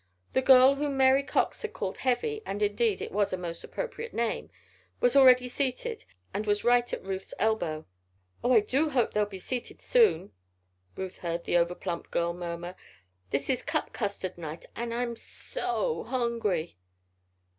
The girl whom Mary Cox had called "Heavy" (and, indeed, it was a most appropriate name) was already seated, and was right at Ruth's elbow. "Oh, I hope they'll be seated soon," Ruth heard this over plump girl murmur. "This is cup custard night, and I'm so o hungry."